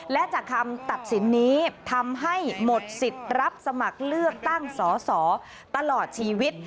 และจากคำตัดสินนี้ทำให้หมดสิทธิ์รับสมัครเลือกตั้งสอสอตลอดชีวิต